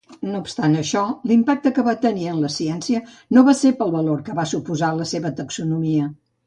No obstant això, l'impacte que va tenir en la ciència no va ser pel valor que va suposar la seva taxonomia.